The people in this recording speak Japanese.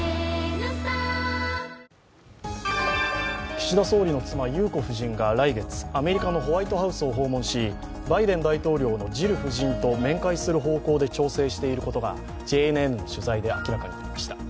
岸田総理の妻・裕子夫人が来月アメリカのホワイトハウスを訪問しバイデン大統領のジル夫人と面会する方向で調整していることがＪＮＮの取材で明らかになりました。